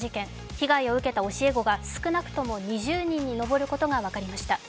被害を受けた教え子が少なくとも２０人に上ることが分かりました。